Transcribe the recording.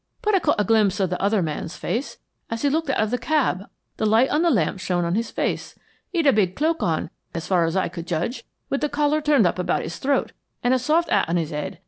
But I caught a glimpse of the other man's face; as he looked out of the cab the light of the lamp shone on his face. He'd a big cloak on, as far as I could judge, with the collar turned up about his throat, and a soft hat on his head.